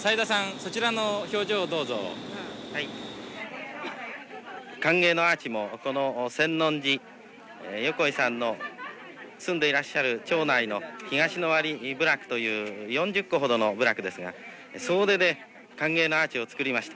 そちらの表情をどうぞはい歓迎のアーチもこの千音寺横井さんの住んでいらっしゃる町内の東ノ割集落という４０戸ほどの集落ですが総出で歓迎のアーチを作りました